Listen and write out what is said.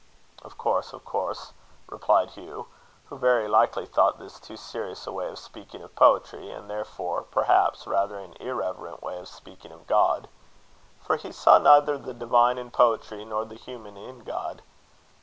"Of course, of course," replied Hugh, who very likely thought this too serious a way of speaking of poetry, and therefore, perhaps, rather an irreverent way of speaking of God; for he saw neither the divine in poetry, nor the human in God.